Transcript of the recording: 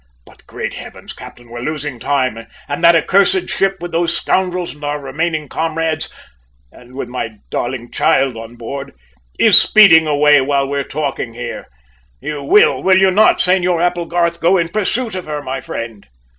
"But, great Heavens! captain, we're losing time and that accursed ship with those scoundrels and our remaining comrades, and with my darling child on board, is speeding away while we're talking here. You will, will you not, Senor Applegarth, go in pursuit of her, my friend?"